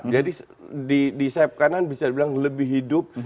jadi di sayap kanan bisa dibilang lebih hidup